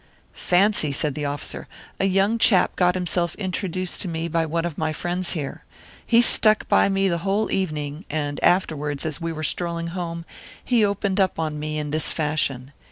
"Fancy," said the officer. "A young chap got himself introduced to me by one of my friends here. He stuck by me the whole evening, and afterwards, as we were strolling home, he opened up on me in this fashion.